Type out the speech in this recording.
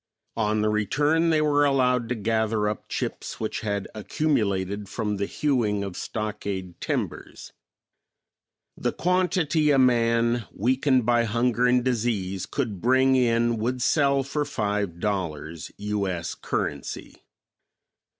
On the return they were allowed to gather up chips which had accumulated from the hewing of stockade timbers. The quantity a man, weakened by hunger and disease, could bring in would sell for five dollars, U. S. currency.